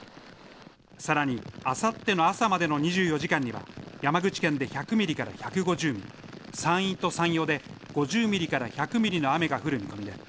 さらにあさっての朝までの２４時間には山口県で１００ミリから１５０ミリ、山陰と山陽で５０ミリから１００ミリの雨が降る見込みです。